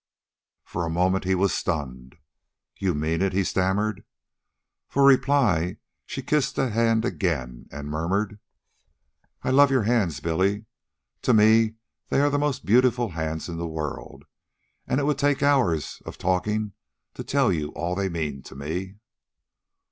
For the moment he was stunned. "You mean it?" he stammered. For reply, she kissed the hand again and murmured: "I love your hands, Billy. To me they are the most beautiful hands in the world, and it would take hours of talking to tell you all they mean to me."